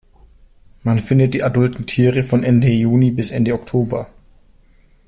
Man findet die adulten Tiere von Ende Juni bis Ende Oktober.